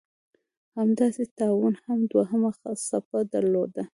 همداسې طاعون هم دوهمه څپه درلوده.